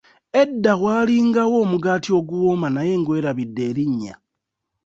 Edda waalingawo omugaati oguwoma naye ngwerabidde erinnya.